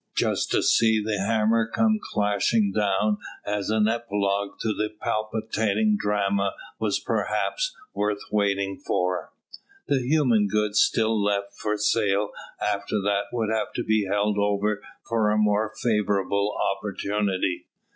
Just to see the hammer come clashing down as an epilogue to the palpitating drama was perhaps worth waiting for. The human goods still left for sale after that would have to be held over for a more favourable opportunity.